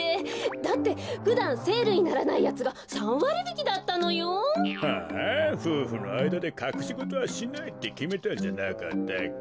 だってふだんセールにならないやつが３わりびきだったのよ。はあふうふのあいだでかくしごとはしないってきめたんじゃなかったっけ？